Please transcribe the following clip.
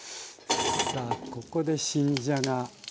さあここで新じゃが。